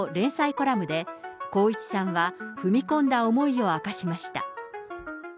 コラムで、光一さんは、踏み込んだ思いを明かしました。